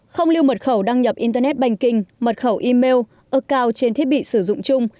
không lưu mật khẩu đăng nhập internet banking mật khẩu email acunt trên thiết bị sử dụng chung